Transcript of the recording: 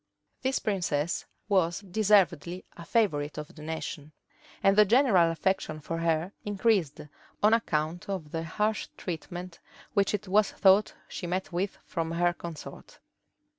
This princess was deservedly a favorite of the nation; and the general affection for her increased, on account of the harsh treatment which it was thought she met with from her consort.